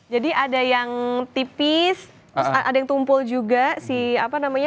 jadi ada yang tipis ada yang tumpul juga si apa namanya